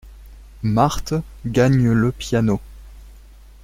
Marthe gagne le piano.